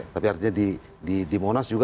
tapi artinya di monas juga